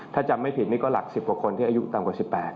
ถ้าจำไม่ผิดนี่ก็หลัก๑๐กว่าคนที่อายุต่ำกว่า๑๘